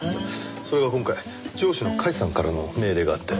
それが今回上司の甲斐さんからの命令があって。